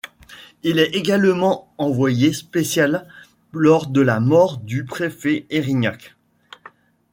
Il est également envoyé spécial lors de la mort du préfet Érignac.